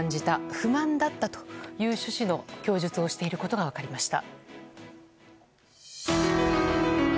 不満だったという趣旨の供述をしていることが分かりました。